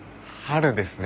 春ですね